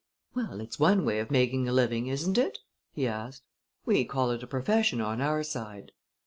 "Well, it's one way of making a living, isn't it?" he asked. "We call it a profession on our side."